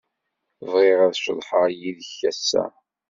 Bɣiɣ ad ceḍḥeɣ yid-k ass-a.